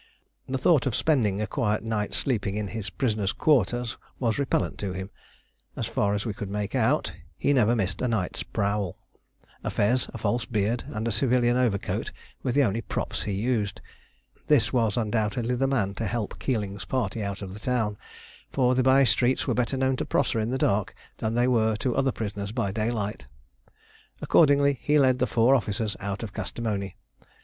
The thought of spending a quiet night sleeping in his prisoners' quarters was repellent to him. As far as we could make out, he never missed a night's prowl. A fez, a false beard, and a civilian overcoat were the only "props" he used. This was undoubtedly the man to help Keeling's party out of the town, for the by streets were better known to Prosser in the dark than they were to other prisoners by daylight. Accordingly, he led the four officers out of Kastamoni.